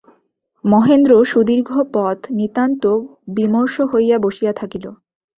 মহেন্দ্র সুদীর্ঘ পথ নিতান্ত বিমর্ষ হইয়া বসিয়া থাকিল।